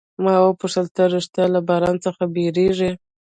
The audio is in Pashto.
ما وپوښتل، ته ریښتیا له باران څخه بیریږې؟